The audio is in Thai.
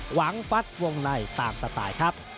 ฟัดวงในตามสไตล์ครับ